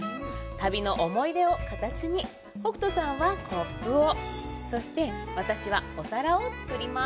旅の思い出を形に北斗さんはコップをそして私はお皿を作ります